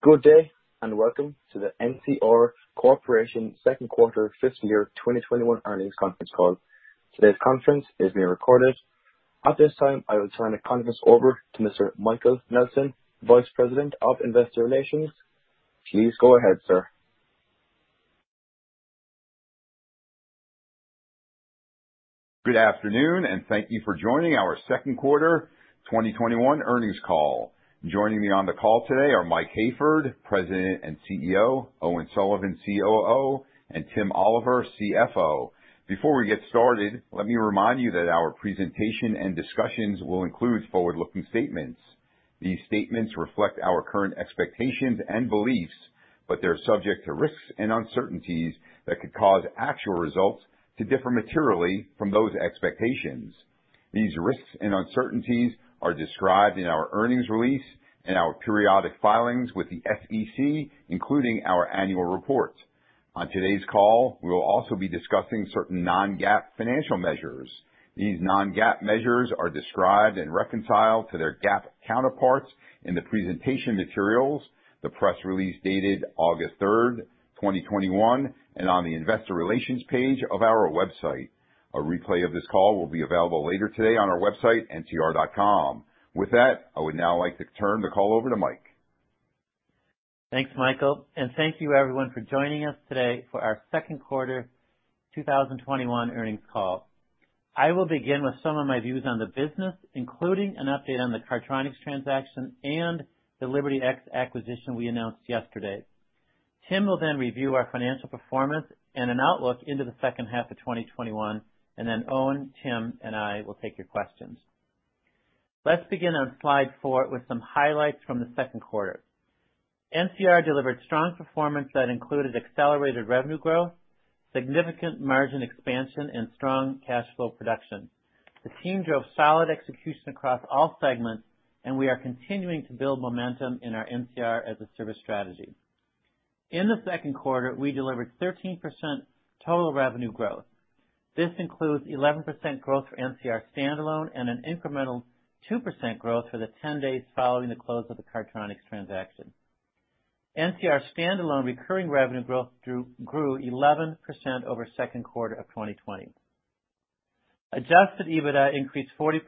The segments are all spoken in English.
Good day, and welcome to the NCR Corporation second quarter fiscal year 2021 earnings conference call. Today's conference is being recorded. At this time, I will turn the conference over to Mr. Michael Nelson, Vice President of Investor Relations. Please go ahead, sir. Good afternoon, and thank you for joining our second quarter 2021 earnings call. Joining me on the call today are Mike Hayford, President and CEO, Owen Sullivan, COO, and Tim Oliver, CFO. Before we get started, let me remind you that our presentation and discussions will include forward-looking statements. These statements reflect our current expectations and beliefs, but they're subject to risks and uncertainties that could cause actual results to differ materially from those expectations. These risks and uncertainties are described in our earnings release and our periodic filings with the SEC, including our annual report. On today's call, we will also be discussing certain non-GAAP financial measures. These non-GAAP measures are described and reconciled to their GAAP counterparts in the presentation materials, the press release dated August 3, 2021, and on the investor relations page of our website. A replay of this call will be available later today on our website, ncr.com. With that, I would now like to turn the call over to Mike. Thanks, Michael, and thank you everyone for joining us today for our second quarter 2021 earnings call. I will begin with some of my views on the business, including an update on the Cardtronics transaction and the LibertyX acquisition we announced yesterday. Tim will then review our financial performance and an outlook into the second half of 2021, and then Owen, Tim, and I will take your questions. Let's begin on slide four with some highlights from the second quarter. NCR delivered strong performance that included accelerated revenue growth, significant margin expansion, and strong cash flow production. The team drove solid execution across all segments, and we are continuing to build momentum in our NCR as a Service strategy. In the second quarter, we delivered 13% total revenue growth. This includes 11% growth for NCR standalone and an incremental 2% growth for the 10 days following the close of the Cardtronics transaction. NCR standalone recurring revenue growth grew 11% over second quarter of 2020. Adjusted EBITDA increased 40%,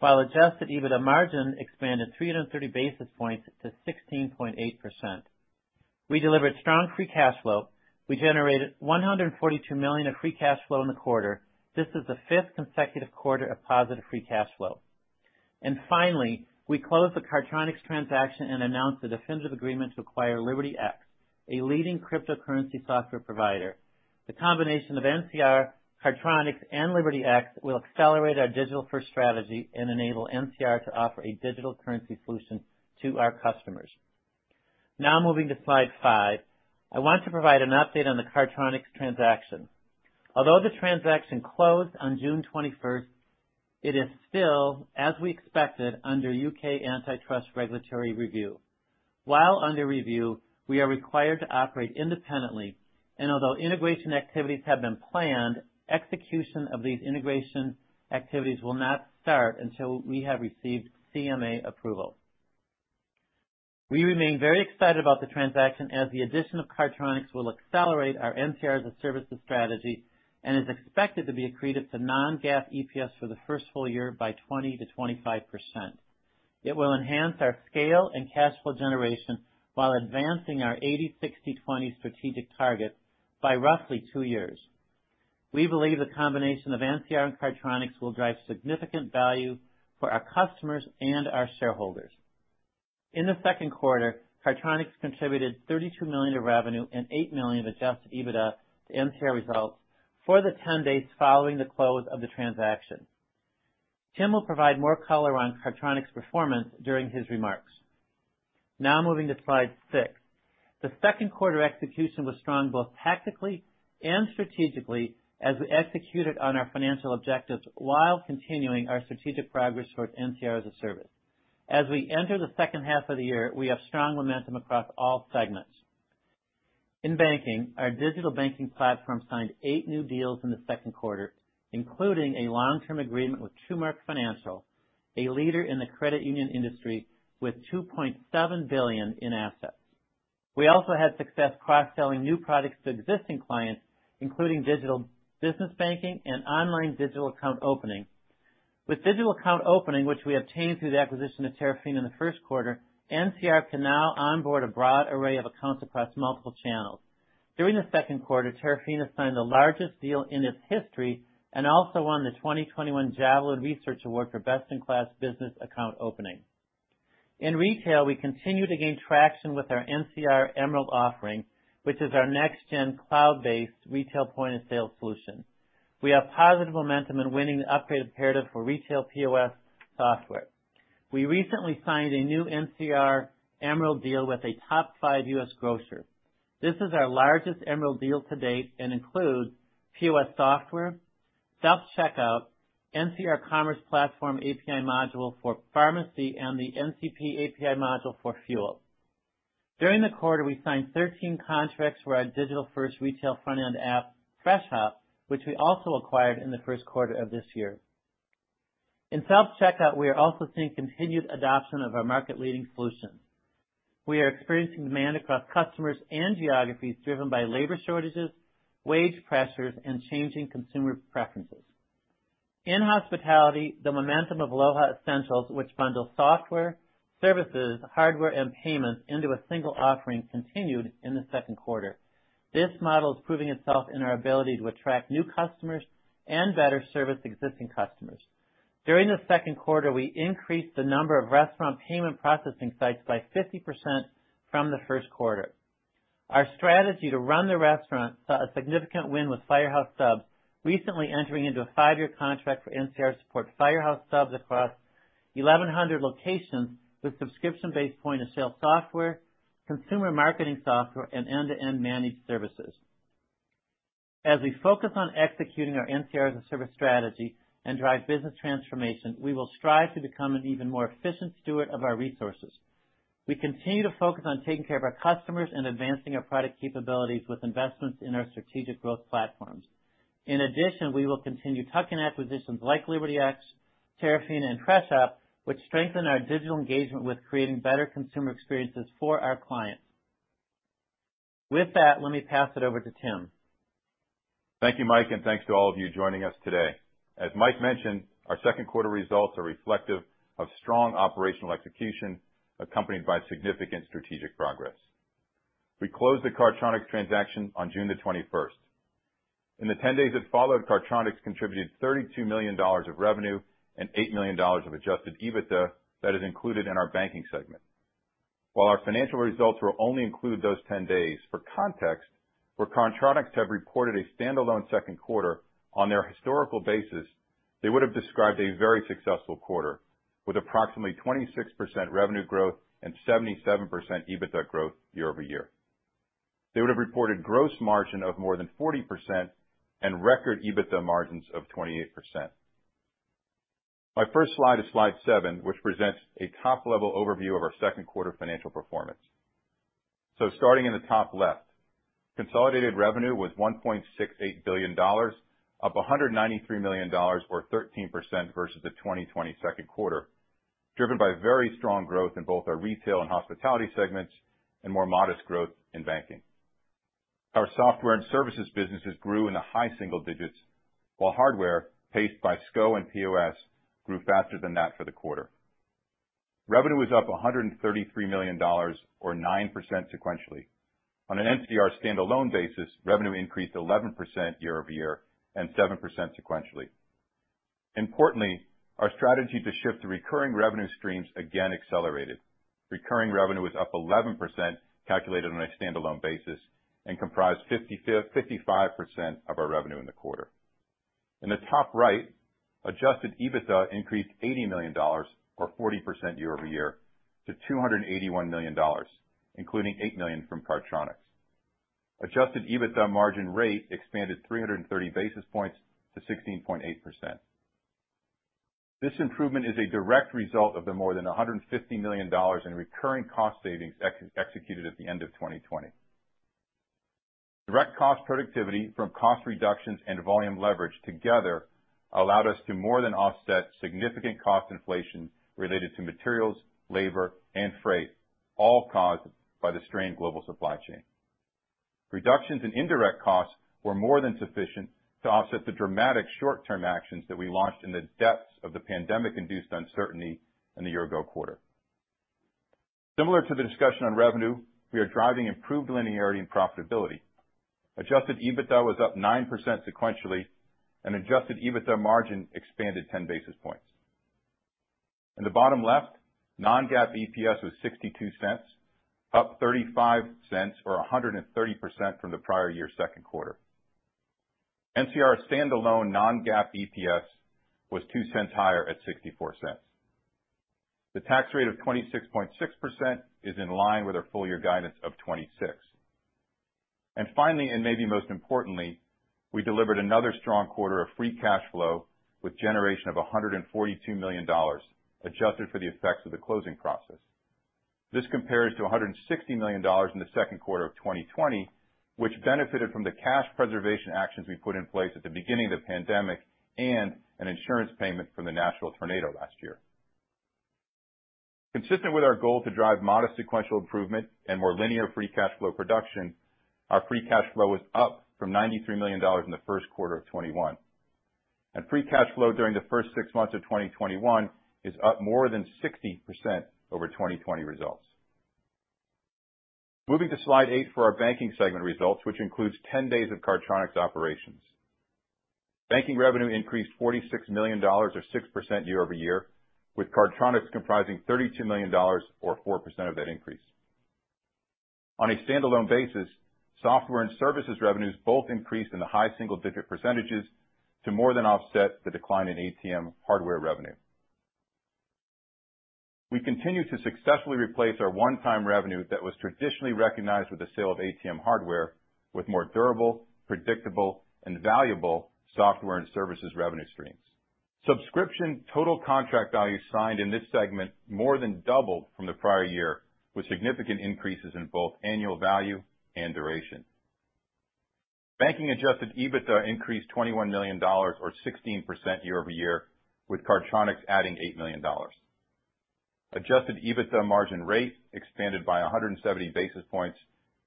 while Adjusted EBITDA margin expanded 330 basis points to 16.8%. We delivered strong free cash flow. We generated $142 million of free cash flow in the quarter. This is the fifth consecutive quarter of positive free cash flow. Finally, we closed the Cardtronics transaction and announced a definitive agreement to acquire LibertyX, a leading cryptocurrency software provider. The combination of NCR, Cardtronics, and LibertyX will accelerate our digital-first strategy and enable NCR to offer a digital currency solution to our customers. Moving to slide five. I want to provide an update on the Cardtronics transaction. Although the transaction closed on June 21st, it is still, as we expected, under U.K. antitrust regulatory review. While under review, we are required to operate independently, and although integration activities have been planned, execution of these integration activities will not start until we have received CMA approval. We remain very excited about the transaction as the addition of Cardtronics will accelerate our NCR as a Service strategy and is expected to be accretive to non-GAAP EPS for the first full year by 20%-25%. It will enhance our scale and cash flow generation while advancing our 80/60/20 strategic target by roughly two years. We believe the combination of NCR and Cardtronics will drive significant value for our customers and our shareholders. In the second quarter, Cardtronics contributed $32 million of revenue and $8 million of Adjusted EBITDA to NCR results for the 10 days following the close of the transaction. Tim will provide more color on Cardtronics performance during his remarks. Moving to slide six. The second quarter execution was strong both tactically and strategically as we executed on our financial objectives while continuing our strategic progress towards NCR as a Service. As we enter the second half of the year, we have strong momentum across all segments. In banking, our digital banking platform signed eight new deals in the second quarter, including a long-term agreement with TruMark Financial, a leader in the credit union industry with $2.7 billion in assets. We also had success cross-selling new products to existing clients, including digital business banking and online digital account opening. With digital account opening, which we obtained through the acquisition of Terafina in the first quarter, NCR can now onboard a broad array of accounts across multiple channels. During the second quarter, Terafina signed the largest deal in its history and also won the 2021 Javelin Research Award for best-in-class business account opening. In retail, we continue to gain traction with our NCR Emerald offering, which is our next-gen cloud-based retail point-of-sale solution. We have positive momentum in winning the upgraded imperative for retail POS software. We recently signed a new NCR Emerald deal with a top five U.S. grocer. This is our largest Emerald deal to date and includes POS software, self-checkout, NCR Commerce Platform API module for pharmacy, and the NCP API module for fuel. During the quarter, we signed 13 contracts for our digital-first retail front-end app, Freshop, which we also acquired in the first quarter of this year. In self-checkout, we are also seeing continued adoption of our market-leading solutions. We are experiencing demand across customers and geographies driven by labor shortages, wage pressures, and changing consumer preferences. In hospitality, the momentum of Aloha Essentials, which bundles software, services, hardware, and payments into a single offering, continued in the second quarter. This model is proving itself in our ability to attract new customers and better service existing customers. During the second quarter, we increased the number of restaurant payment processing sites by 50% from the first quarter. Our strategy to run the restaurant saw a significant win with Firehouse Subs recently entering into a five-year contract for NCR to support Firehouse Subs across 1,100 locations with subscription-based point-of-sale software, consumer marketing software, and end-to-end managed services. As we focus on executing our NCR as a service strategy and drive business transformation, we will strive to become an even more efficient steward of our resources. We continue to focus on taking care of our customers and advancing our product capabilities with investments in our strategic growth platforms. In addition, we will continue tuck-in acquisitions like LibertyX, Terafina, and Freshop, which strengthen our digital engagement with creating better consumer experiences for our clients. With that, let me pass it over to Tim. Thank you, Mike, and thanks to all of you joining us today. As Mike mentioned, our second quarter results are reflective of strong operational execution accompanied by significant strategic progress. We closed the Cardtronics transaction on June the 21st. In the 10 days that followed, Cardtronics contributed $32 million of revenue and $8 million of adjusted EBITDA that is included in our banking segment. While our financial results will only include those 10 days, for context, were Cardtronics to have reported a standalone second quarter on their historical basis, they would have described a very successful quarter with approximately 26% revenue growth and 77% EBITDA growth year-over-year. They would have reported gross margin of more than 40% and record EBITDA margins of 28%. My first slide is slide seven, which presents a top-level overview of our second quarter financial performance. Starting in the top left, consolidated revenue was $1.68 billion, up $193 million or 13% versus the 2020 second quarter, driven by very strong growth in both our Retail and Hospitality segments and more modest growth in Banking. Our software and services businesses grew in the high single digits, while hardware, paced by SCO and POS, grew faster than that for the quarter. Revenue was up $133 million or 9% sequentially. On an NCR standalone basis, revenue increased 11% year-over-year and 7% sequentially. Importantly, our strategy to shift to recurring revenue streams again accelerated. Recurring revenue was up 11%, calculated on a standalone basis, and comprised 55% of our revenue in the quarter. In the top right, Adjusted EBITDA increased $80 million or 40% year-over-year to $281 million, including $8 million from Cardtronics. Adjusted EBITDA margin rate expanded 330 basis points to 16.8%. This improvement is a direct result of the more than $150 million in recurring cost savings executed at the end of 2020. Direct cost productivity from cost reductions and volume leverage together allowed us to more than offset significant cost inflation related to materials, labor, and freight, all caused by the strained global supply chain. Reductions in indirect costs were more than sufficient to offset the dramatic short-term actions that we launched in the depths of the pandemic-induced uncertainty in the year-ago quarter. Similar to the discussion on revenue, we are driving improved linearity and profitability. Adjusted EBITDA was up 9% sequentially, and Adjusted EBITDA margin expanded 10 basis points. In the bottom left, non-GAAP EPS was $0.62, up $0.35 or 130% from the prior year second quarter. NCR standalone non-GAAP EPS was $0.02 higher at $0.64. The tax rate of 26.6% is in line with our full-year guidance of 26%. Finally, and maybe most importantly, we delivered another strong quarter of free cash flow with generation of $142 million, adjusted for the effects of the closing process. This compares to $160 million in the second quarter of 2020, which benefited from the cash preservation actions we put in place at the beginning of the pandemic and an insurance payment from the Nashville tornado last year. Consistent with our goal to drive modest sequential improvement and more linear free cash flow production, our free cash flow was up from $93 million in the first quarter of 2021. Free cash flow during the first six months of 2021 is up more than 60% over 2020 results. Moving to slide eight for our banking segment results, which includes 10 days of Cardtronics operations. Banking revenue increased $46 million or 6% year-over-year, with Cardtronics comprising $32 million or 4% of that increase. On a standalone basis, software and services revenues both increased in the high single-digit percentages to more than offset the decline in ATM hardware revenue. We continue to successfully replace our one-time revenue that was traditionally recognized with the sale of ATM hardware with more durable, predictable, and valuable software and services revenue streams. Subscription total contract value signed in this segment more than doubled from the prior year, with significant increases in both annual value and duration. Banking Adjusted EBITDA increased $21 million, or 16% year-over-year, with Cardtronics adding $8 million. Adjusted EBITDA margin rate expanded by 170 basis points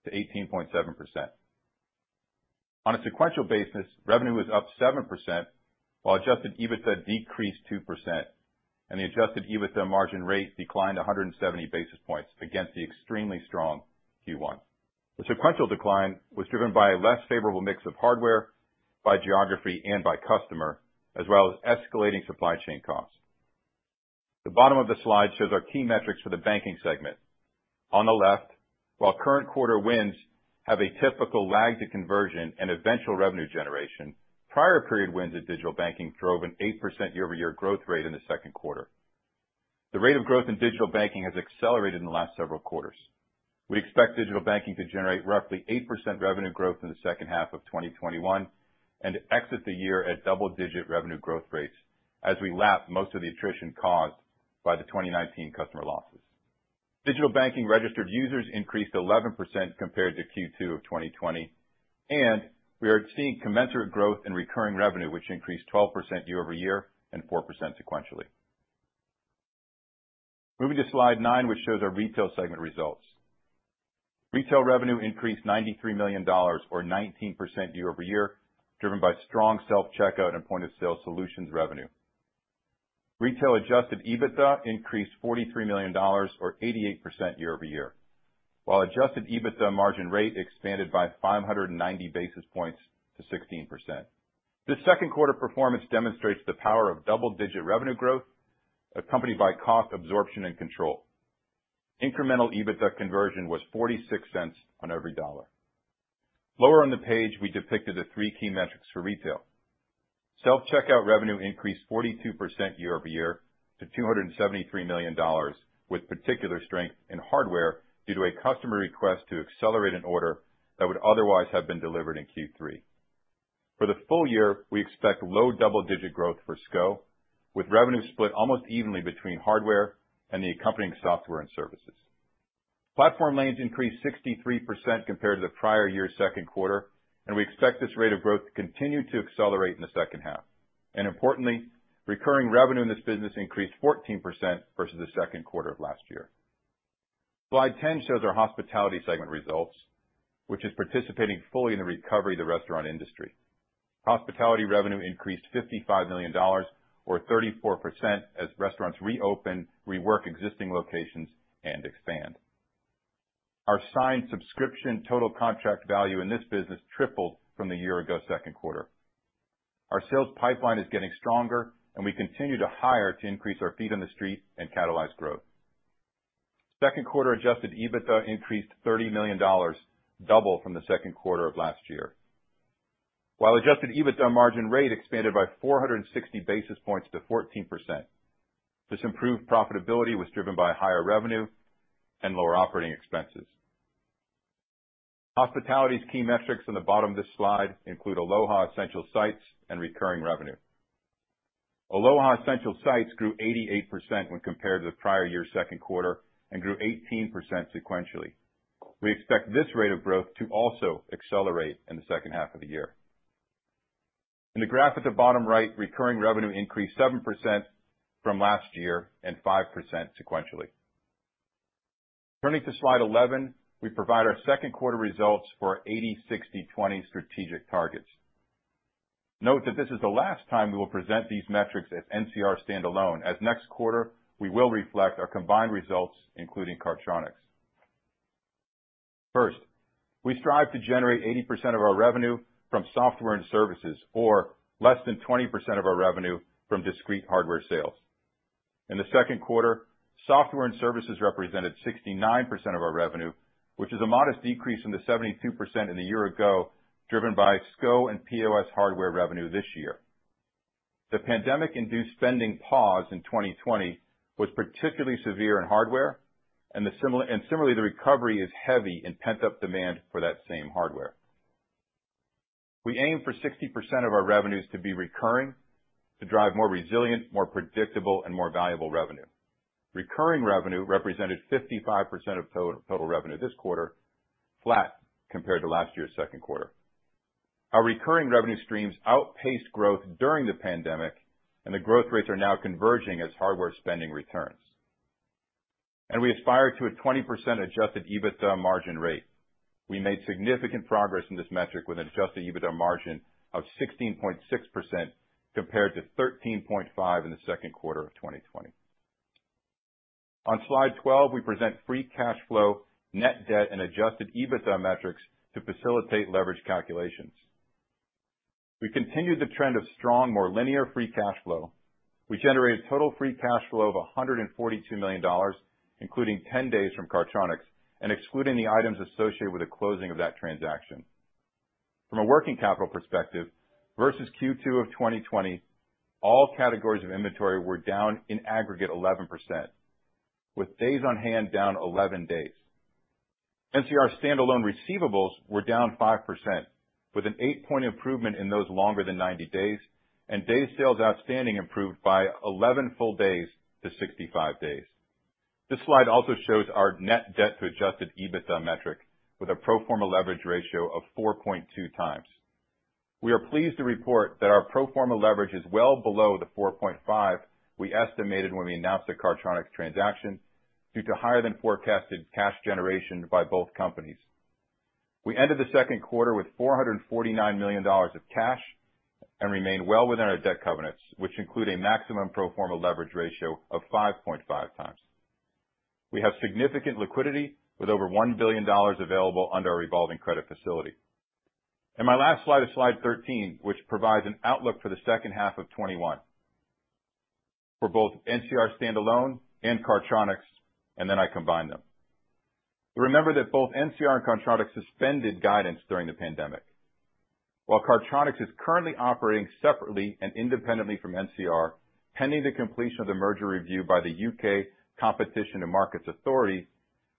to 18.7%. On a sequential basis, revenue was up 7%, while Adjusted EBITDA decreased 2%, and the Adjusted EBITDA margin rate declined 170 basis points against the extremely strong Q1. The sequential decline was driven by a less favorable mix of hardware, by geography, and by customer, as well as escalating supply chain costs. The bottom of the slide shows our key metrics for the banking segment. On the left, while current quarter wins have a typical lag to conversion and eventual revenue generation, prior period wins at Digital Banking drove an 8% year-over-year growth rate in the second quarter. The rate of growth in Digital Banking has accelerated in the last several quarters. We expect Digital Banking to generate roughly 8% revenue growth in the second half of 2021, and to exit the year at double-digit revenue growth rates as we lap most of the attrition caused by the 2019 customer losses. Digital Banking registered users increased 11% compared to Q2 of 2020, and we are seeing commensurate growth in recurring revenue, which increased 12% year-over-year and 4% sequentially. Moving to slide nine, which shows our Retail segment results. Retail revenue increased $93 million, or 19% year-over-year, driven by strong self-checkout and point-of-sale solutions revenue. Retail Adjusted EBITDA increased $43 million, or 88% year-over-year, while Adjusted EBITDA margin rate expanded by 590 basis points to 16%. This second quarter performance demonstrates the power of double-digit revenue growth accompanied by cost absorption and control. Incremental EBITDA conversion was $0.46 on every dollar. Lower on the page, we depicted the three key metrics for Retail. Self-checkout revenue increased 42% year-over-year to $273 million, with particular strength in hardware due to a customer request to accelerate an order that would otherwise have been delivered in Q3. For the full year, we expect low double-digit growth for SCO, with revenue split almost evenly between hardware and the accompanying software and services. Platform lanes increased 63% compared to the prior year's second quarter. We expect this rate of growth to continue to accelerate in the second half. Importantly, recurring revenue in this business increased 14% versus the second quarter of last year. Slide 10 shows our hospitality segment results, which is participating fully in the recovery of the restaurant industry. Hospitality revenue increased $55 million, or 34%, as restaurants reopen, rework existing locations, and expand. Our signed subscription total contract value in this business tripled from the year ago second quarter. Our sales pipeline is getting stronger, and we continue to hire to increase our feet on the street and catalyze growth. Second quarter Adjusted EBITDA increased $30 million, double from the second quarter of last year. While Adjusted EBITDA margin rate expanded by 460 basis points to 14%. This improved profitability was driven by higher revenue and lower operating expenses. Hospitality's key metrics in the bottom of this slide include Aloha Essentials and recurring revenue. Aloha Essentials grew 88% when compared to the prior year's second quarter and grew 18% sequentially. We expect this rate of growth to also accelerate in the second half of the year. In the graph at the bottom right, recurring revenue increased 7% from last year and 5% sequentially. Turning to slide 11, we provide our second quarter results for our 80/60/20 strategic targets. Note that this is the last time we will present these metrics at NCR standalone, as next quarter, we will reflect our combined results, including Cardtronics. First, we strive to generate 80% of our revenue from software and services, or less than 20% of our revenue from discrete hardware sales. In the second quarter, software and services represented 69% of our revenue, which is a modest decrease from the 72% in the year ago, driven by SCO and POS hardware revenue this year. The pandemic-induced spending pause in 2020 was particularly severe in hardware, and similarly, the recovery is heavy in pent-up demand for that same hardware. We aim for 60% of our revenues to be recurring to drive more resilient, more predictable, and more valuable revenue. Recurring revenue represented 55% of total revenue this quarter, flat compared to last year's second quarter. Our recurring revenue streams outpaced growth during the pandemic, and the growth rates are now converging as hardware spending returns. We aspire to a 20% Adjusted EBITDA margin rate. We made significant progress in this metric with an Adjusted EBITDA margin of 16.6% compared to 13.5% in the second quarter of 2020. On slide 12, we present free cash flow, net debt, and Adjusted EBITDA metrics to facilitate leverage calculations. We continued the trend of strong, more linear free cash flow, which generated total free cash flow of $142 million, including 10 days from Cardtronics, and excluding the items associated with the closing of that transaction. From a working capital perspective, versus Q2 of 2020, all categories of inventory were down in aggregate 11%, with days on hand down 11 days. NCR standalone receivables were down 5%, with an eight-point improvement in those longer than 90 days, and days sales outstanding improved by 11 full days to 65 days. This slide also shows our net debt to Adjusted EBITDA metric with a pro forma leverage ratio of 4.2x. We are pleased to report that our pro forma leverage is well below the 4.5 we estimated when we announced the Cardtronics transaction, due to higher than forecasted cash generation by both companies. We ended the second quarter with $449 million of cash and remain well within our debt covenants, which include a maximum pro forma leverage ratio of 5.5x. We have significant liquidity with over $1 billion available under our revolving credit facility. My last slide is slide 13, which provides an outlook for the second half of 2021 for both NCR standalone and Cardtronics, then I combine them. Remember that both NCR and Cardtronics suspended guidance during the pandemic. While Cardtronics is currently operating separately and independently from NCR, pending the completion of the merger review by the U.K. Competition and Markets Authority,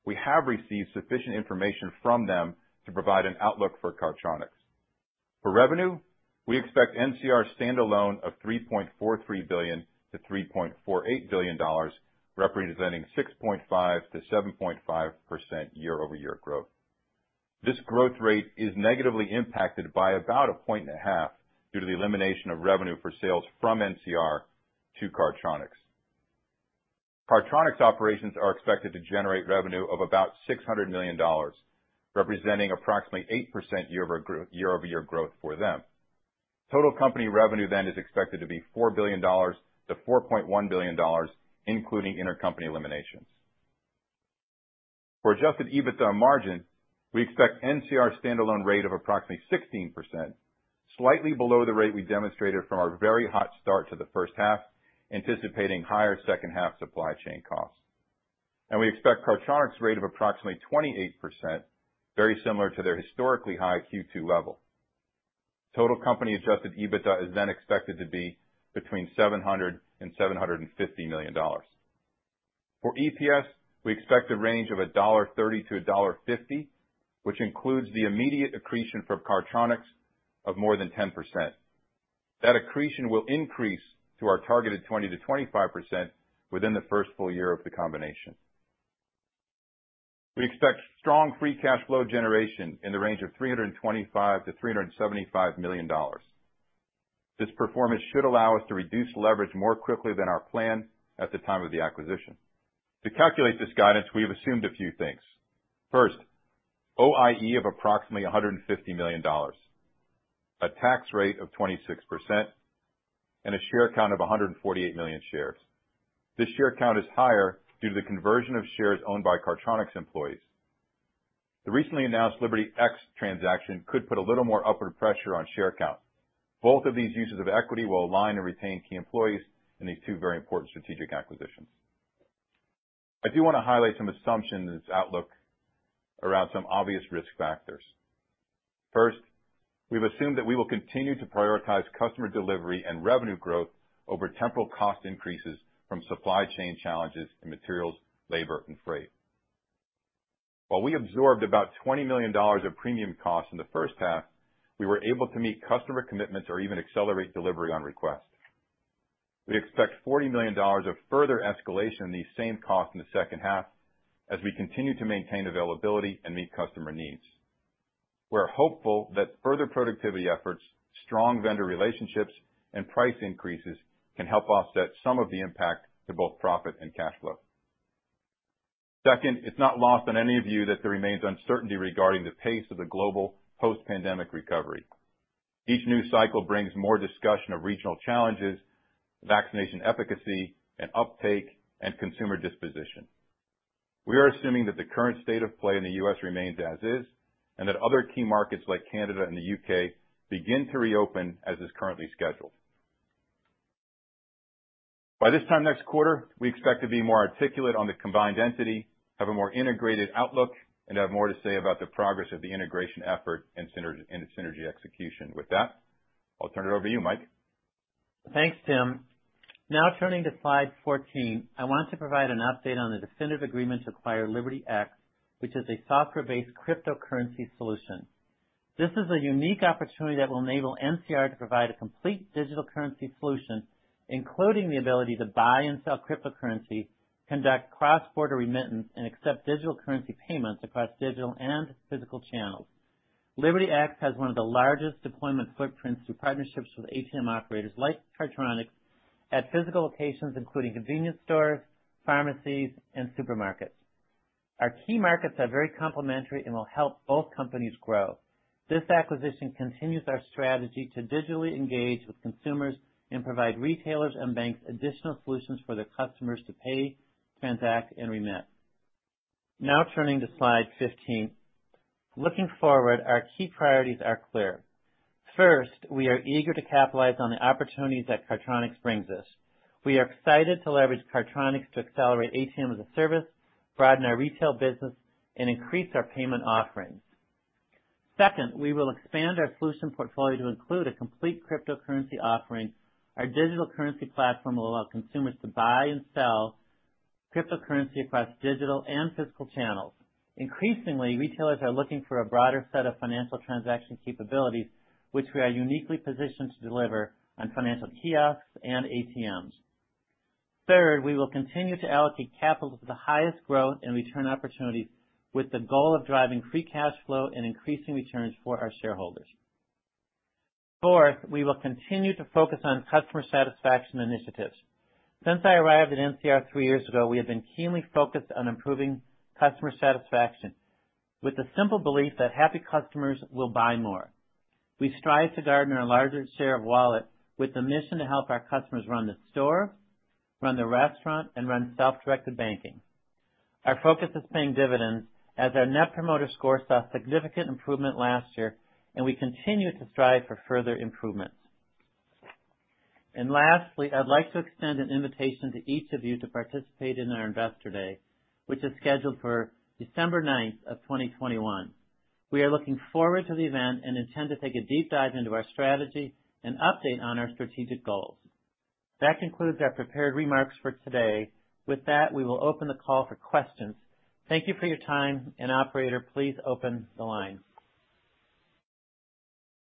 we have received sufficient information from them to provide an outlook for Cardtronics. For revenue, we expect NCR standalone of $3.43 billion-$3.48 billion, representing 6.5%-7.5% year-over-year growth. This growth rate is negatively impacted by about 1.5 points due to the elimination of revenue for sales from NCR to Cardtronics. Cardtronics operations are expected to generate revenue of about $600 million, representing approximately 8% year-over-year growth for them. Total company revenue is expected to be $4 billion-$4.1 billion, including intercompany eliminations. For Adjusted EBITDA margin, we expect NCR standalone rate of approximately 16%, slightly below the rate we demonstrated from our very hot start to the first half, anticipating higher second half supply chain costs. We expect Cardtronics rate of approximately 28%, very similar to their historically high Q2 level. Total company Adjusted EBITDA is then expected to be between $700 million-$750 million. For EPS, we expect a range of $1.30-$1.50, which includes the immediate accretion from Cardtronics of more than 10%. That accretion will increase to our targeted 20%-25% within the first full year of the combination. We expect strong free cash flow generation in the range of $325 million-$375 million. This performance should allow us to reduce leverage more quickly than our plan at the time of the acquisition. To calculate this guidance, we have assumed a few things. First, OIE of approximately $150 million, a tax rate of 26%, and a share count of 148 million shares. This share count is higher due to the conversion of shares owned by Cardtronics employees. The recently announced LibertyX transaction could put a little more upward pressure on share count. Both of these uses of equity will align and retain key employees in these two very important strategic acquisitions. I do want to highlight some assumptions in this outlook around some obvious risk factors. First we've assumed that we will continue to prioritize customer delivery and revenue growth over temporal cost increases from supply chain challenges in materials, labor, and freight. While we absorbed about $20 million of premium costs in the first half, we were able to meet customer commitments or even accelerate delivery on request. We expect $40 million of further escalation in these same costs in the second half as we continue to maintain availability and meet customer needs. We are hopeful that further productivity efforts, strong vendor relationships, and price increases can help offset some of the impact to both profit and cash flow. Second, it's not lost on any of you that there remains uncertainty regarding the pace of the global post-pandemic recovery. Each news cycle brings more discussion of regional challenges, vaccination efficacy, and uptake and consumer disposition. We are assuming that the current state of play in the U.S. remains as is, and that other key markets like Canada and the U.K. begin to reopen as is currently scheduled. By this time next quarter, we expect to be more articulate on the combined entity, have a more integrated outlook, and have more to say about the progress of the integration effort and synergy execution. With that, I'll turn it over to you, Mike. Thanks, Tim. Turning to slide 14, I want to provide an update on the definitive agreement to acquire LibertyX, which is a software-based cryptocurrency solution. This is a unique opportunity that will enable NCR to provide a complete digital currency solution, including the ability to buy and sell cryptocurrency, conduct cross-border remittance, and accept digital currency payments across digital and physical channels. LibertyX has one of the largest deployment footprints through partnerships with ATM operators like Cardtronics at physical locations, including convenience stores, pharmacies, and supermarkets. Our key markets are very complementary and will help both companies grow. This acquisition continues our strategy to digitally engage with consumers and provide retailers and banks additional solutions for their customers to pay, transact, and remit. Turning to slide 15. Looking forward, our key priorities are clear. First, we are eager to capitalize on the opportunities that Cardtronics brings us. We are excited to leverage Cardtronics to accelerate ATM as a service, broaden our retail business, and increase our payment offerings. Second, we will expand our solution portfolio to include a complete cryptocurrency offering. Our digital currency platform will allow consumers to buy and sell cryptocurrency across digital and physical channels. Increasingly, retailers are looking for a broader set of financial transaction capabilities, which we are uniquely positioned to deliver on financial kiosks and ATMs. Third, we will continue to allocate capital to the highest growth and return opportunities, with the goal of driving free cash flow and increasing returns for our shareholders. Fourth, we will continue to focus on customer satisfaction initiatives. Since I arrived at NCR three years ago, we have been keenly focused on improving customer satisfaction with the simple belief that happy customers will buy more. We strive to gain our largest share of wallet with the mission to help our customers run the store, run the restaurant, and run self-directed banking. Our focus is paying dividends as our Net Promoter Score saw significant improvement last year. We continue to strive for further improvements. Lastly, I'd like to extend an invitation to each of you to participate in our Investor Day, which is scheduled for December 9th of 2021. We are looking forward to the event. We intend to take a deep dive into our strategy and update on our strategic goals. That concludes our prepared remarks for today. With that, we will open the call for questions. Thank you for your time. Operator, please open the line.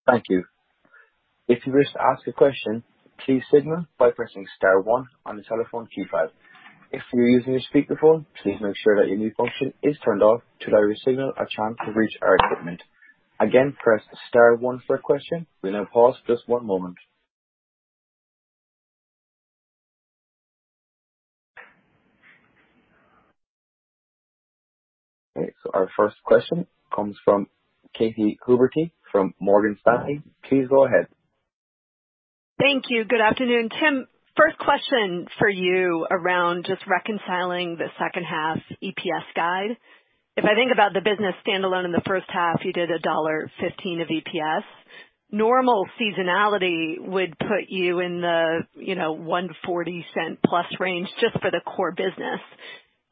Thank you. If you wish to ask a question please signal by pressing star one on the telephone keypad. If you wish to speak to the phone please make sure that your mute function is turned off trying to allow your signal to reach our equipment. Again press star one for the question and just wait for just one moment. Our first question comes from Katy Huberty from Morgan Stanley. Please go ahead. Thank you. Good afternoon. Tim, first question for you around just reconciling the second half EPS guide. If I think about the business standalone in the first half, you did $1.15 of EPS. Normal seasonality would put you in the $1.40 plus range just for the core business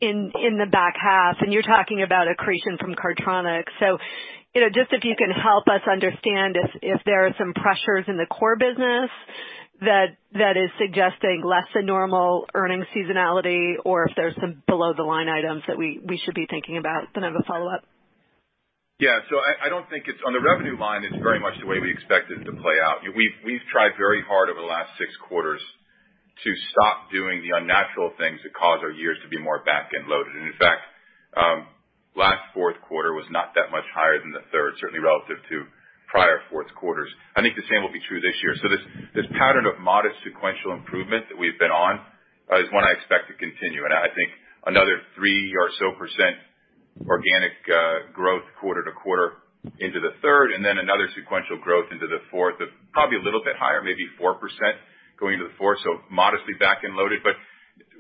in the back half, and you're talking about accretion from Cardtronics. Just if you can help us understand if there are some pressures in the core business that is suggesting less than normal earnings seasonality or if there's some below-the-line items that we should be thinking about. I have a follow-up. Yeah. I don't think it's on the revenue line, it's very much the way we expect it to play out. We've tried very hard over the last six quarters to stop doing the unnatural things that cause our years to be more back-end loaded. In fact, last fourth quarter was not that much higher than the third, certainly relative to prior fourth quarters. I think the same will be true this year. This pattern of modest sequential improvement that we've been on is one I expect to continue, and I think another three or so % organic growth quarter-to-quarter into the third, and then another sequential growth into the fourth of probably a little bit higher, maybe 4% going into the fourth, so modestly back-end loaded.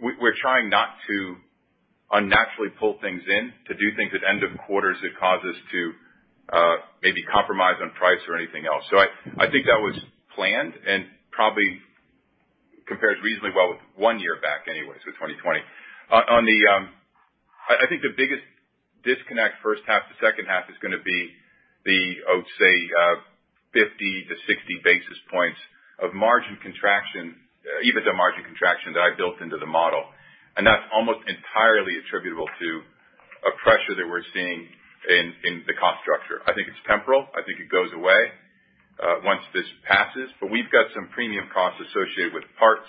We're trying not to unnaturally pull things in to do things at end of quarters that cause us to maybe compromise on price or anything else. I think that was planned and probably compares reasonably well with one year back anyways, with 2020. I think the biggest disconnect first half to second half is going to be the, I would say, 50-60 basis points of margin contraction, EBITDA margin contraction that I built into the model. That's almost entirely attributable to a pressure that we're seeing in the cost structure. I think it's temporal. I think it goes away once this passes, but we've got some premium costs associated with parts,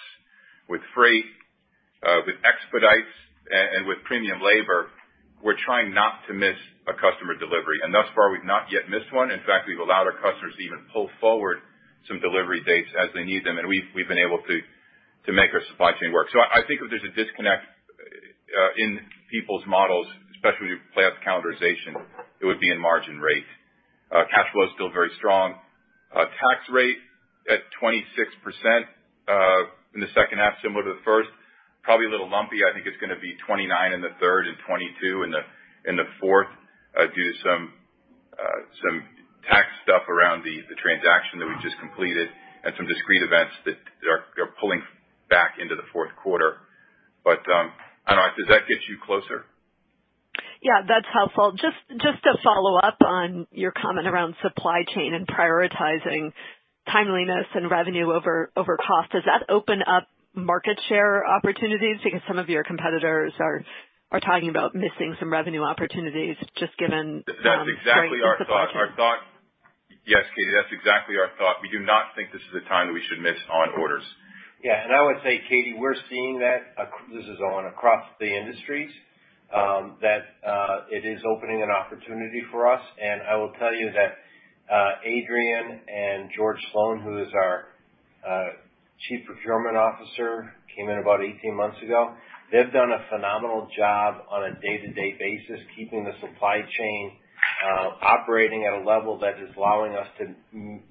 with freight, with expedites, and with premium labor. We're trying not to miss a customer delivery, and thus far, we've not yet missed one. In fact, we've allowed our customers to even pull forward some delivery dates as they need them, and we've been able to make our supply chain work. I think if there's a disconnect in people's models, especially when you play out the calendarization, it would be in margin rate. Cash flow is still very strong. Tax rate at 26% in the second half, similar to the first, probably a little lumpy. I think it's going to be 29% in the third and 22% in the fourth due to some tax stuff around the transaction that we just completed and some discrete events that are pulling back into the fourth quarter. I don't know. Does that get you closer? That's helpful. Just to follow up on your comment around supply chain and prioritizing timeliness and revenue over cost, does that open up market share opportunities? Some of your competitors are talking about missing some revenue opportunities just given. That is exactly our thought. Yes, Katy, that's exactly our thought. We do not think this is a time that we should miss on orders. Yeah. I would say, Katy, we're seeing that this is on across the industries, that it is opening an opportunity for us. I will tell you that Adrian and George Sloan, who is our Chief Procurement Officer, came in about 18 months ago. They've done a phenomenal job on a day-to-day basis, keeping the supply chain operating at a level that is allowing us to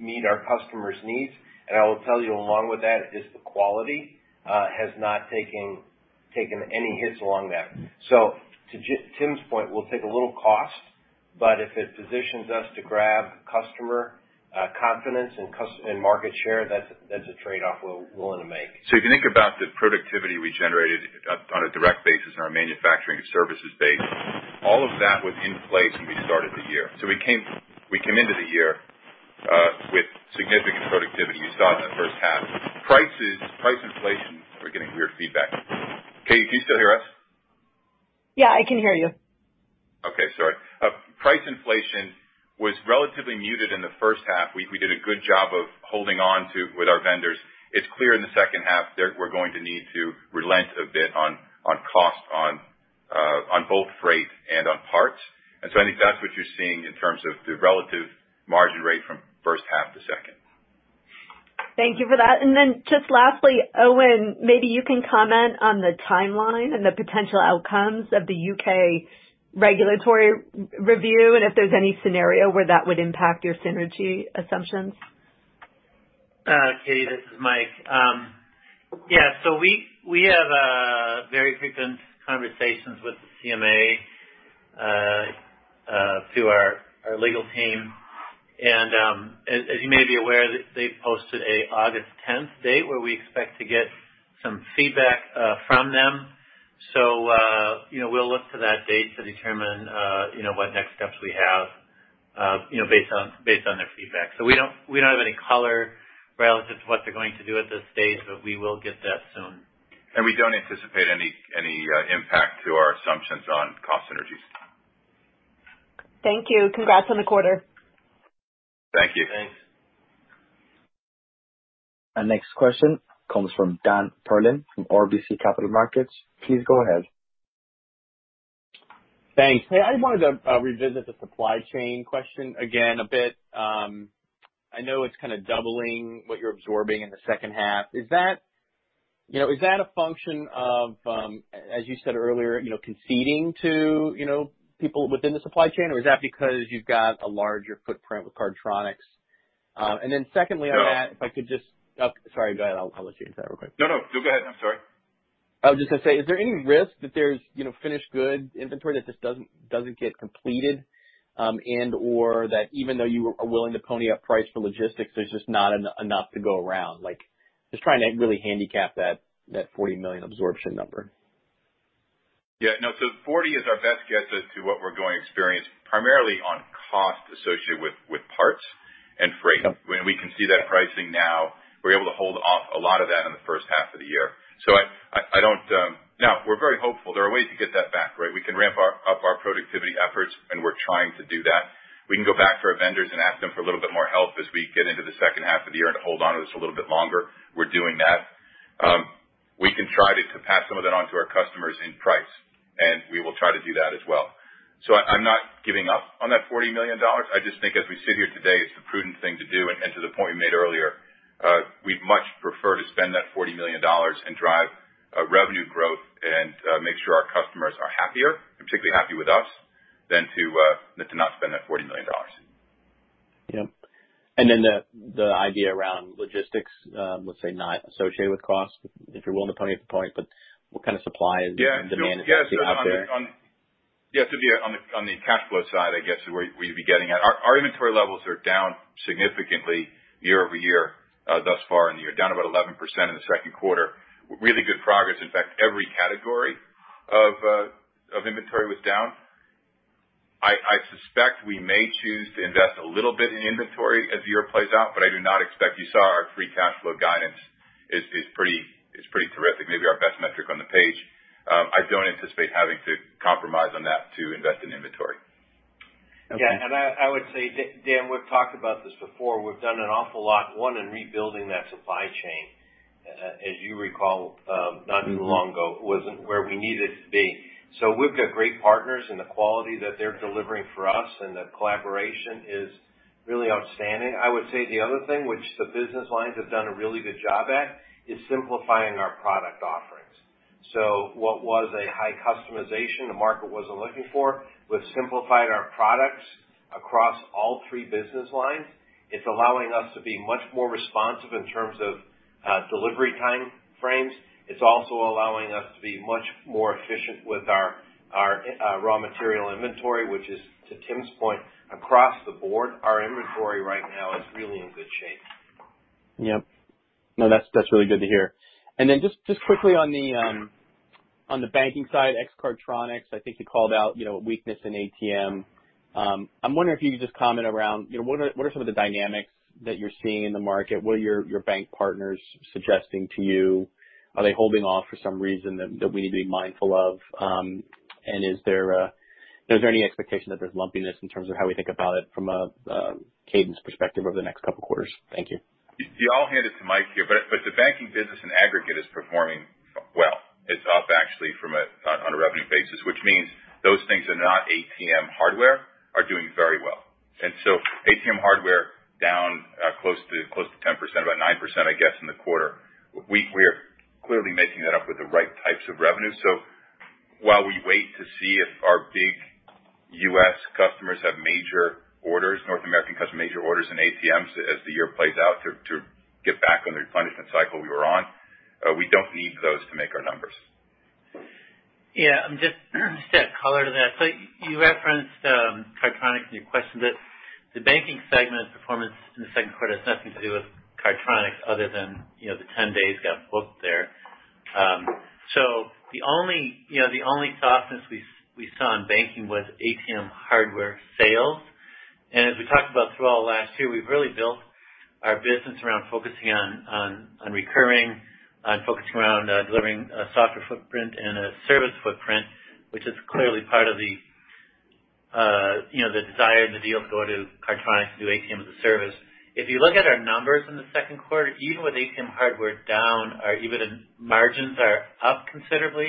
meet our customers' needs. I will tell you along with that is the quality has not taken any hits along that. To Tim's point, we'll take a little cost, but if it positions us to grab customer confidence and market share, that's a trade-off we're willing to make. If you think about the productivity we generated on a direct basis on our manufacturing to services base, all of that was in place when we started the year. We came into the year with significant productivity we saw in the first half. Prices, price inflation We're getting weird feedback. Katy, do you still hear us? Yeah, I can hear you. Okay. Sorry. Price inflation was relatively muted in the first half. We did a good job of holding on to with our vendors. It's clear in the second half that we're going to need to relent a bit on cost on both freight and on parts. I think that's what you're seeing in terms of the relative margin rate from first half to second. Thank you for that. Just lastly, Owen, maybe you can comment on the timeline and the potential outcomes of the U.K. regulatory review and if there's any scenario where that would impact your synergy assumptions. Katy, this is Mike. We have very frequent conversations with the CMA through our legal team. As you may be aware, they've posted an August 10th date where we expect to get some feedback from them. We'll look to that date to determine what next steps we have based on their feedback. We don't have any color relative to what they're going to do at this stage, but we will get that soon. We don't anticipate any impact to our assumptions on cost synergies. Thank you. Congrats on the quarter. Thank you. Thanks. Our next question comes from Dan Perlin from RBC Capital Markets. Please go ahead. Thanks. Hey, I wanted to revisit the supply chain question again a bit. I know it's kind of doubling what you're absorbing in the second half. Is that a function of, as you said earlier, conceding to people within the supply chain, or is that because you've got a larger footprint with Cardtronics? No If I could just. Oh, sorry, go ahead. I'll let you into that real quick. No, no. Go ahead. I'm sorry. I was just going to say, is there any risk that there's finished good inventory that just doesn't get completed and/or that even though you are willing to pony up price for logistics, there's just not enough to go around? Like, just trying to really handicap that $40 million absorption number. Yeah, no. $40 is our best guess as to what we're going to experience, primarily on cost associated with parts and freight. Yep. We can see that pricing now. We were able to hold off a lot of that in the first half of the year. Now, we're very hopeful. There are ways to get that back, right? We can ramp up our productivity efforts, and we're trying to do that. We can go back to our vendors and ask them for a little bit more help as we get into the second half of the year and to hold onto this a little bit longer. We're doing that. We can try to pass some of that on to our customers in price, and we will try to do that as well. I'm not giving up on that $40 million. I just think as we sit here today, it's the prudent thing to do. To the point we made earlier, we'd much prefer to spend that $40 million and drive revenue growth and make sure our customers are happier, particularly happy with us, than to not spend that $40 million. Yep. Then the idea around logistics, let's say, not associated with cost, if you're willing to pony up the point, but what kind of supply and demand is out there? Yeah. On the cash flow side, I guess is where you'd be getting at. Our inventory levels are down significantly year-over-year thus far in the year, down about 11% in the second quarter. Really good progress. In fact, every category of inventory was down. I suspect we may choose to invest a little bit in inventory as the year plays out. You saw our free cash flow guidance is pretty terrific, maybe our best metric on the page. I don't anticipate having to compromise on that to invest in inventory. Okay. I would say, Dan, we've talked about this before. We've done an awful lot, one, in rebuilding that supply chain. As you recall, not too long ago, it wasn't where we needed it to be. We've got great partners, and the quality that they're delivering for us, and the collaboration is really outstanding. I would say the other thing, which the business lines have done a really good job at, is simplifying our product offerings. What was a high customization the market wasn't looking for, we've simplified our products across all three business lines. It's allowing us to be much more responsive in terms of delivery time frames. It's also allowing us to be much more efficient with our raw material inventory, which is, to Tim's point, across the board. Our inventory right now is really in good shape. Yep. No, that's really good to hear. Just quickly on the banking side, ex Cardtronics, I think you called out a weakness in ATM. I'm wondering if you could just comment around what are some of the dynamics that you're seeing in the market? What are your bank partners suggesting to you? Are they holding off for some reason that we need to be mindful of? Is there any expectation that there's lumpiness in terms of how we think about it from a cadence perspective over the next couple quarters? Thank you. See, I'll hand it to Mike here, but the banking business in aggregate is performing well. It's up actually on a revenue basis, which means those things that are not ATM hardware are doing very well. ATM hardware down close to 10%, about 9%, I guess, in the quarter. We're clearly making that up with the right types of revenue. While we wait to see if our big U.S. customers have major orders, North American customers major orders in ATMs as the year plays out to get back on the replenishment cycle we were on, we don't need those to make our numbers. Yeah. Just to add color to that, you referenced Cardtronics in your question, but the banking segment performance in the second quarter has nothing to do with Cardtronics other than the 10 days got booked there. The only softness we saw in banking was ATM hardware sales. As we talked about throughout last year, we've really built our business around focusing on recurring, on focusing around delivering a software footprint and a service footprint, which is clearly part of the desire and the deal flow to Cardtronics to do ATM as a service. If you look at our numbers in the second quarter, even with ATM hardware down, our EBITDA margins are up considerably.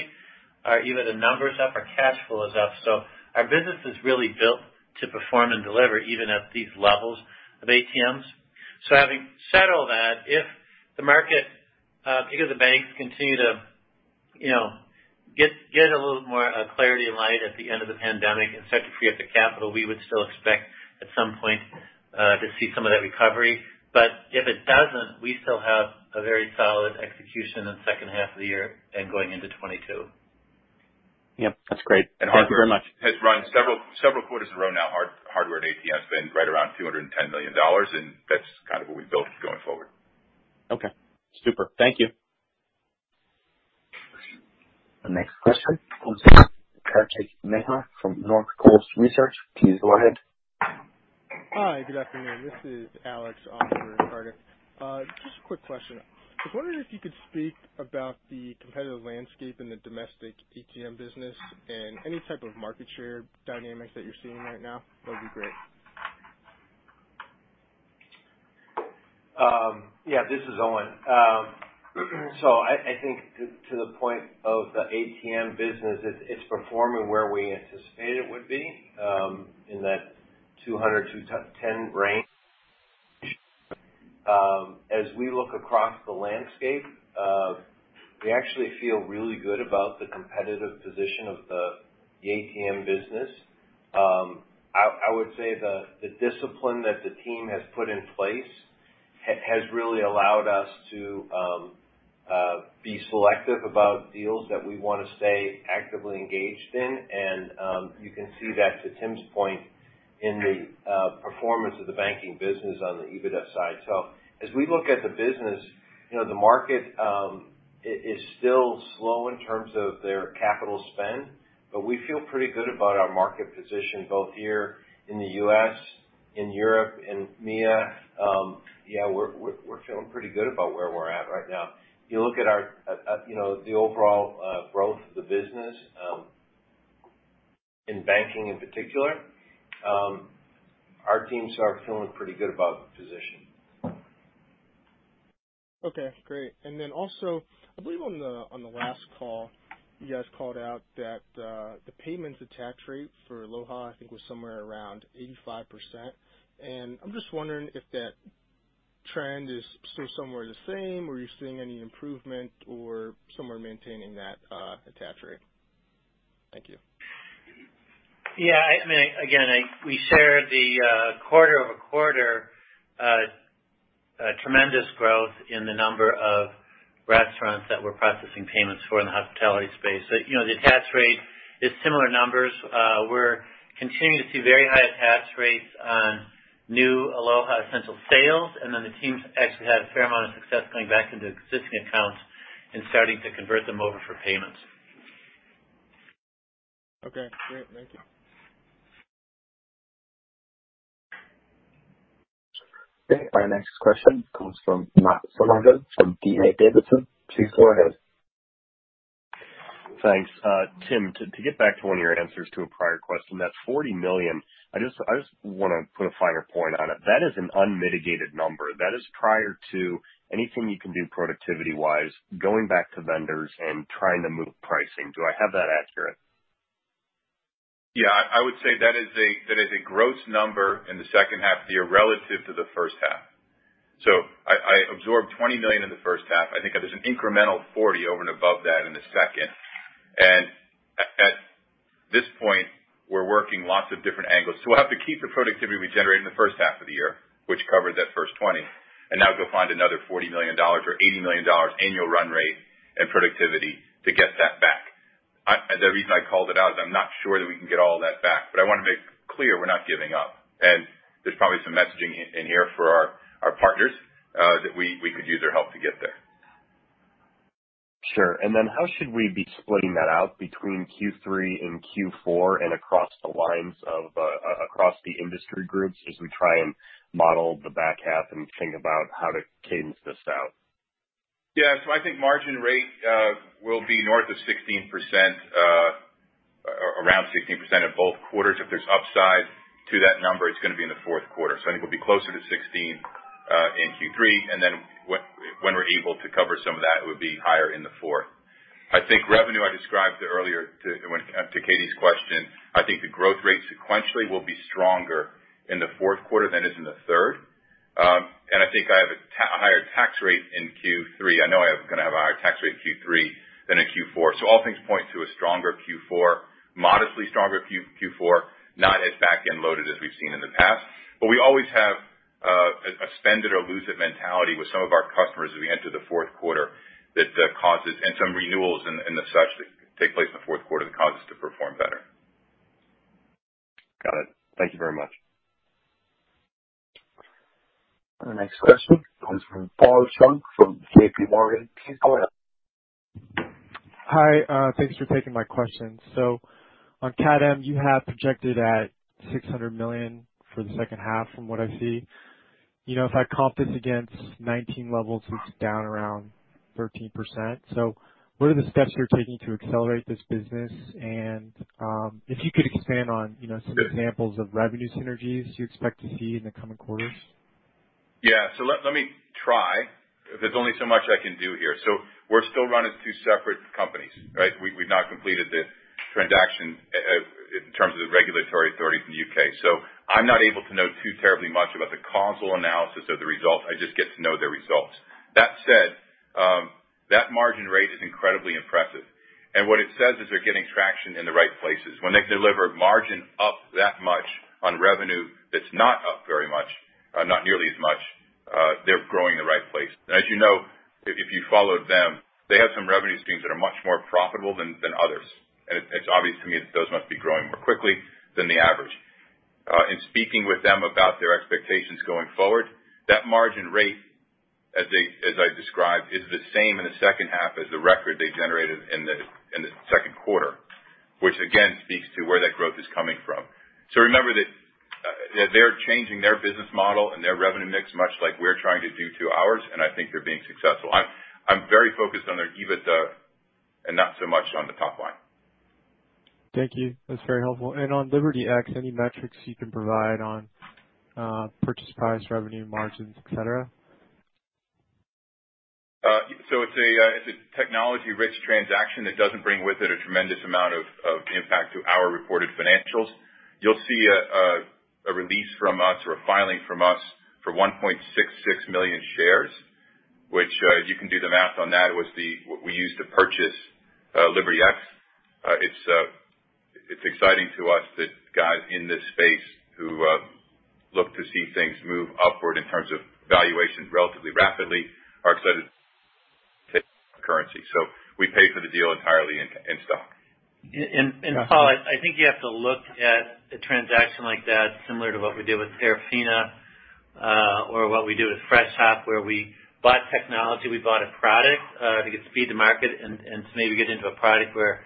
Our EBITDA number's up, our cash flow is up. Our business is really built to perform and deliver even at these levels of ATMs. Having said all that, if the banks continue to get a little more clarity and light at the end of the pandemic and start to free up the capital, we would still expect at some point to see some of that recovery. If it doesn't, we still have a very solid execution in the second half of the year and going into 2022. Yep, that's great. Thank you very much. Hardware has run several quarters in a row now. Hardware and ATMs been right around $210 million, and that's kind of what we've built going forward. Okay. Super. Thank you. The next question comes in from Kartik Mehta from Northcoast Research. Please go ahead. Hi, good afternoon. This is Alex on for Kartik. Just a quick question. I was wondering if you could speak about the competitive landscape in the domestic ATM business and any type of market share dynamics that you're seeing right now, that'd be great. Yeah, this is Owen. I think to the point of the ATM business, it's performing where we anticipated it would be, in that 200-210 range. As we look across the landscape, we actually feel really good about the competitive position of the ATM business. I would say the discipline that the team has put in place has really allowed us to be selective about deals that we want to stay actively engaged in, and you can see that, to Tim's point, in the performance of the banking business on the EBITDA side. As we look at the business, the market is still slow in terms of their capital spend, but we feel pretty good about our market position both here in the U.S., in Europe, in EMEA. Yeah, we're feeling pretty good about where we're at right now. If you look at the overall growth of the business in banking in particular, our teams are feeling pretty good about the position. Okay, great. Also, I believe on the last call you guys called out that the payments attach rate for Aloha, I think, was somewhere around 85%. I'm just wondering if that trend is still somewhere the same, or are you seeing any improvement or somewhere maintaining that attach rate? Thank you. Yeah. Again, we share the quarter-over-quarter tremendous growth in the number of restaurants that we're processing payments for in the hospitality space. The attach rate is similar numbers. We're continuing to see very high attach rates on new Aloha Essentials sales, and then the teams actually had a fair amount of success going back into existing accounts and starting to convert them over for payments. Okay, great. Thank you. Okay, our next question comes from Matt Summerville from D.A. Davidson. Please go ahead. Thanks. Tim, to get back to one of your answers to a prior question, that $40 million, I just want to put a finer point on it. That is an unmitigated number. That is prior to anything you can do productivity wise, going back to vendors and trying to move pricing. Do I have that accurate? I would say that is a gross number in the second half of the year relative to the first half. I absorbed $20 million in the first half. I think there's an incremental $40 over and above that in the second. At this point, we're working lots of different angles. We'll have to keep the productivity we generated in the first half of the year, which covers that first $20, and now go find another $40 million or $80 million annual run rate and productivity to get that back. The reason I called it out is I'm not sure that we can get all that back, but I want to make clear we're not giving up, and there's probably some messaging in here for our partners that we could use their help to get there. Sure. Then how should we be splitting that out between Q3 and Q4 and across the industry groups as we try and model the back half and think about how to cadence this out? Yeah. I think margin rate will be north of 16%, around 16% in both quarters. If there's upside to that number, it's going to be in the fourth quarter. I think it'll be closer to 16 in Q3, and then when we're able to cover some of that, it would be higher in the fourth. I think revenue I described earlier to Katy's question, I think the growth rate sequentially will be stronger in the fourth quarter than it is in the third. I think I have a higher tax rate in Q3. I know I'm going to have a higher tax rate Q3 than in Q4. All things point to a stronger Q4, modestly stronger Q4, not as back-end loaded as we've seen in the past. We always have a spend it or lose it mentality with some of our customers as we enter the fourth quarter and some renewals and the such that take place in the fourth quarter that cause us to perform better. Got it. Thank you very much. The next question comes from Paul Chung from JP Morgan. Please go ahead. Hi. Thanks for taking my questions. On Cardtronics, you have projected at $600 million for the second half from what I see. If I comp this against 2019 levels, it's down around 13%. What are the steps you're taking to accelerate this business? If you could expand on some examples of revenue synergies you expect to see in the coming quarters. Yeah. Let me try. There's only so much I can do here. We're still running two separate companies, right? We've not completed the transaction in terms of the regulatory authorities in the U.K. I'm not able to know too terribly much about the causal analysis of the results. I just get to know the results. That said, that margin rate is incredibly impressive, and what it says is they're getting traction in the right places. When they deliver margin up that much on revenue that's not up very much, not nearly as much, they're growing in the right place. As you know, if you followed them, they have some revenue streams that are much more profitable than others. It's obvious to me that those must be growing more quickly than the average. In speaking with them about their expectations going forward, that margin rate, as I described, is the same in the second half as the record they generated in the second quarter, which again speaks to where that growth is coming from. Remember that they're changing their business model and their revenue mix, much like we're trying to do to ours, and I think they're being successful. I'm very focused on their EBITDA and not so much on the top line. Thank you. That's very helpful. On LibertyX, any metrics you can provide on purchase price, revenue margins, et cetera? It's a technology-rich transaction that doesn't bring with it a tremendous amount of impact to our reported financials. You'll see a release from us or a filing from us for 1.66 million shares, which, you can do the math on that, was what we used to purchase LibertyX. It's exciting to us that guys in this space who look to see things move upward in terms of valuation relatively rapidly are excited currency, so we paid for the deal entirely in stock. Paul, I think you have to look at a transaction like that similar to what we did with Terafina, or what we did with Freshop, where we bought technology, we bought a product, to speed to market and to maybe get into a product where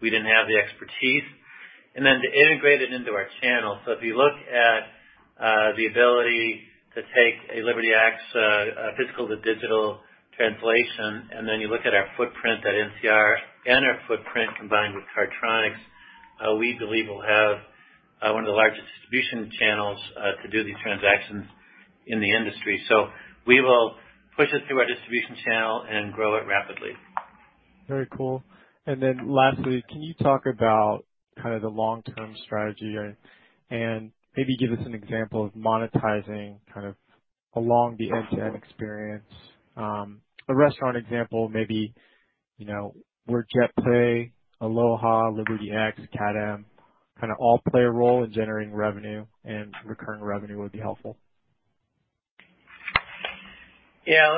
we didn't have the expertise, and then to integrate it into our channel. If you look at the ability to take a LibertyX physical-to-digital translation, and then you look at our footprint at NCR and our footprint combined with Cardtronics, we believe we'll have one of the largest distribution channels to do these transactions in the industry. We will push it through our distribution channel and grow it rapidly. Very cool. Lastly, can you talk about the long-term strategy and maybe give us an example of monetizing along the end-to-end experience? A restaurant example, maybe where JetPay, Aloha, LibertyX, Cardtronics kind of all play a role in generating revenue and recurring revenue would be helpful. Yeah.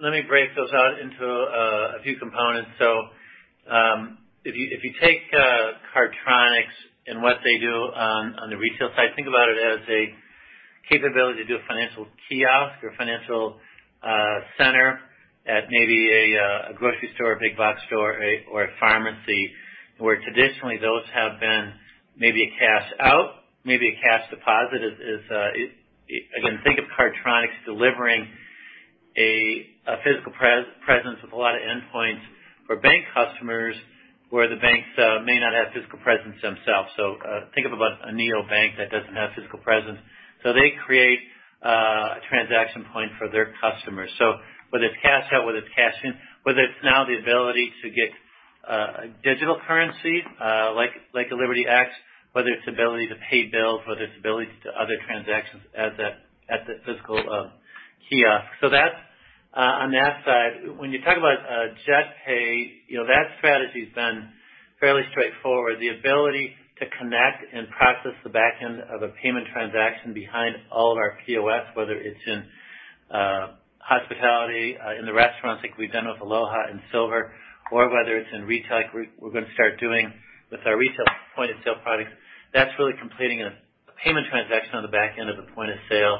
Let me break those out into a few components. If you take Cardtronics and what they do on the retail side, think about it as a capability to do a financial kiosk or financial center at maybe a grocery store, a big box store or a pharmacy, where traditionally those have been maybe a cash out, maybe a cash deposit. Again, think of Cardtronics delivering a physical presence with a lot of endpoints for bank customers where the banks may not have physical presence themselves. Think of a neobank that doesn't have physical presence. They create a transaction point for their customers. Whether it's cash out, whether it's cash in, whether it's now the ability to get a digital currency like a LibertyX, whether it's ability to pay bills, whether it's ability to other transactions at the physical kiosk. On that side, when you talk about JetPay, that strategy's been fairly straightforward. The ability to connect and process the back end of a payment transaction behind all of our POS, whether it's in hospitality, in the restaurants like we've done with Aloha and Silver, or whether it's in retail like we're going to start doing with our retail point-of-sale products. That's really completing a payment transaction on the back end of the point-of-sale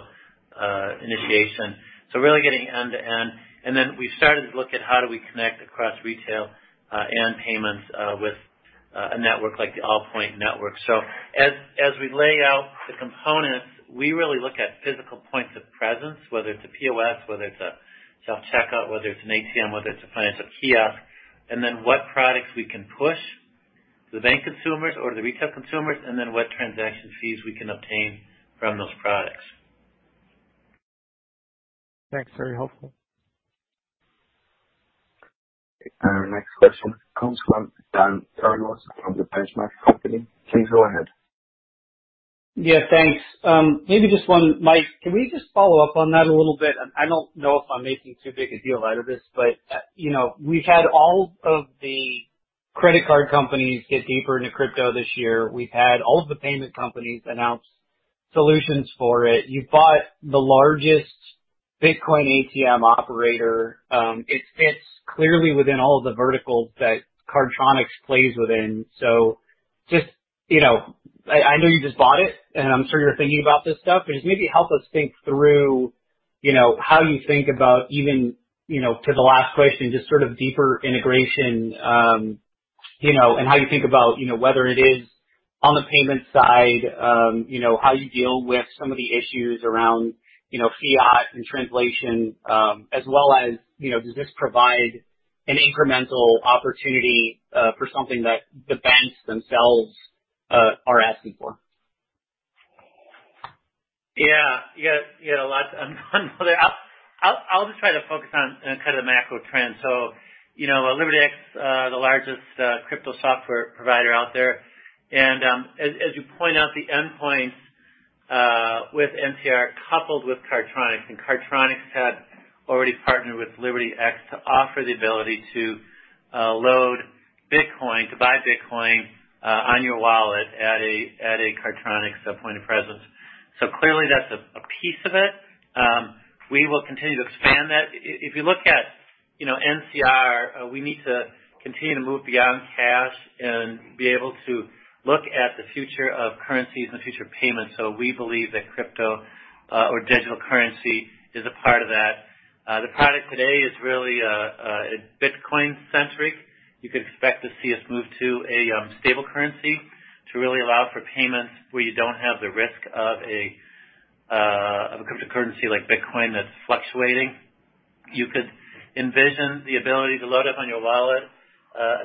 initiation. Really getting end-to-end. We've started to look at how do we connect across retail and payments with a network like the Allpoint network. As we lay out the components, we really look at physical points of presence, whether it's a POS, whether it's a self-checkout, whether it's an ATM, whether it's a financial kiosk, and then what products we can push to the bank consumers or to the retail consumers, and then what transaction fees we can obtain from those products. Thanks. Very helpful. Our next question comes from Dan Perlin from The Benchmark Company. Please go ahead. Yeah, thanks. Maybe just one, Mike, can we just follow up on that a little bit? I don't know if I'm making too big a deal out of this. We've had all of the credit card companies get deeper into crypto this year. We've had all of the payment companies announce solutions for it. You bought the largest Bitcoin ATM operator. It fits clearly within all of the verticals that Cardtronics plays within. I know you just bought it, and I'm sure you're thinking about this stuff, but just maybe help us think through how you think about even, to the last question, just sort of deeper integration, and how you think about whether it is on the payments side how you deal with some of the issues around fiat and translation, as well as does this provide an incremental opportunity for something that the banks themselves are asking for? Yeah. You got a lot. I'll just try to focus on kind of the macro trend. LibertyX, the largest crypto software provider out there, and as you point out, the endpoint with NCR coupled with Cardtronics, and Cardtronics had already partnered with LibertyX to offer the ability to load Bitcoin, to buy Bitcoin on your wallet at a Cardtronics point of presence. Clearly that's a piece of it. We will continue to expand that. If you look at NCR, we need to continue to move beyond cash and be able to look at the future of currencies and the future of payments. We believe that crypto or digital currency is a part of that. The product today is really Bitcoin-centric. You could expect to see us move to a stable currency to really allow for payments where you don't have the risk of a cryptocurrency like Bitcoin that's fluctuating. You could envision the ability to load up on your wallet a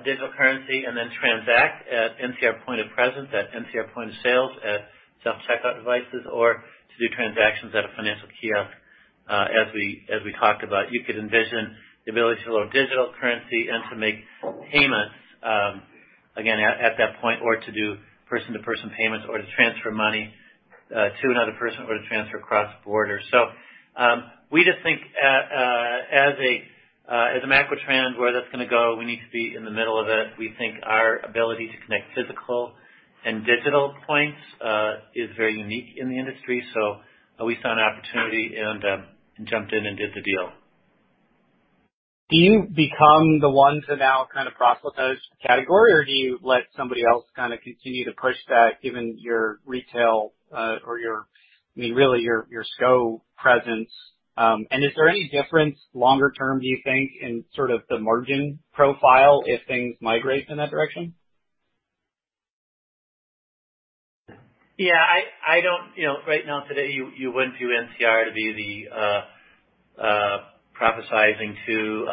digital currency and then transact at NCR point of presence, at NCR point of sale, at self-checkout devices, or to do transactions at a financial kiosk as we talked about. You could envision the ability to load digital currency and to make payments, again, at that point, or to do person-to-person payments, or to transfer money to another person, or to transfer cross-border. We just think as a macro trend, where that's going to go, we need to be in the middle of it. We think our ability to connect physical and digital points is very unique in the industry. We saw an opportunity and jumped in and did the deal. Do you become the ones that now kind of proselytize the category, or do you let somebody else kind of continue to push that given your retail or your SCO presence? Is there any difference longer term, do you think, in sort of the margin profile if things migrate in that direction? Yeah, right now, today, you wouldn't view NCR to be the prophesizing to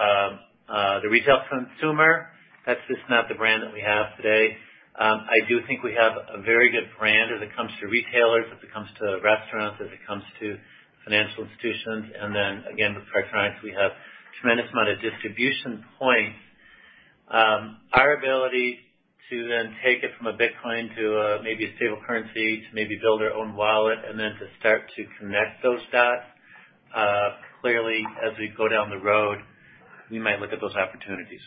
the retail consumer. That's just not the brand that we have today. I do think we have a very good brand as it comes to retailers, as it comes to restaurants, as it comes to financial institutions, and then again, with Cardtronics, we have a tremendous amount of distribution points. Our ability to then take it from a Bitcoin to maybe a stable currency, to maybe build our own wallet and then to start to connect those dots, clearly as we go down the road, we might look at those opportunities.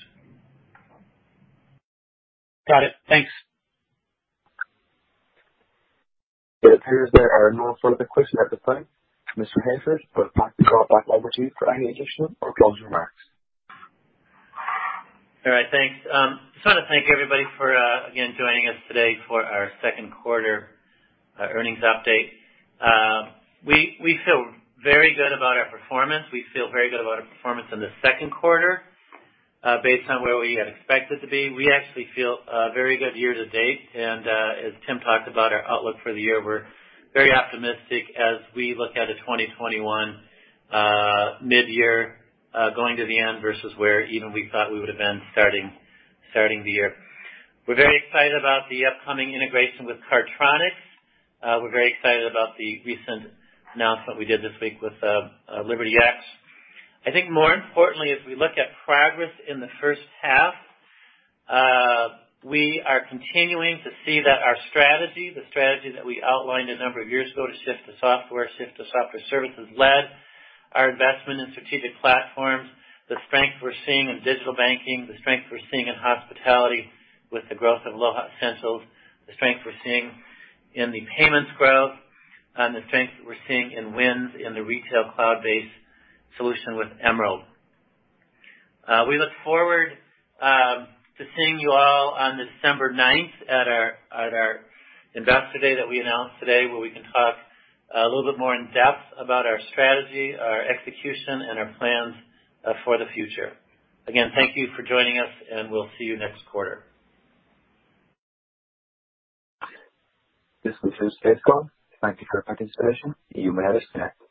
Got it. Thanks. It appears there are no further questions at this time. Mr. Hayford, we'd like to call back over to you for any additional or closing remarks. All right. Thanks. Just want to thank everybody for again joining us today for our second quarter earnings update. We feel very good about our performance. We feel very good about our performance in the second quarter based on where we had expected to be. We actually feel very good year to date, and as Tim talked about our outlook for the year, we're very optimistic as we look out at 2021 mid-year going to the end versus where even we thought we would've been starting the year. We're very excited about the upcoming integration with Cardtronics. We're very excited about the recent announcement we did this week with LibertyX. I think more importantly, as we look at progress in the first half, we are continuing to see that our strategy, the strategy that we outlined a number of years ago to shift to software, shift to software services led, our investment in strategic platforms, the strength we're seeing in Digital Banking, the strength we're seeing in hospitality with the growth of Aloha Essentials, the strength we're seeing in the payments growth, and the strength that we're seeing in wins in the retail cloud-based solution with Emerald. We look forward to seeing you all on December 9th at our Investor Day that we announced today, where we can talk a little bit more in depth about our strategy, our execution, and our plans for the future. Again, thank you for joining us, and we'll see you next quarter. This concludes today's call. Thank you for your participation. You may disconnect.